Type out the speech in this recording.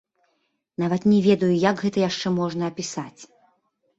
Нават не ведаю, як гэта яшчэ можна апісаць!